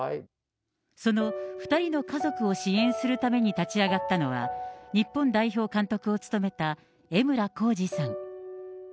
その２人の家族を支援するために立ち上がったのは、日本代表監督を務めた江村こうじさん。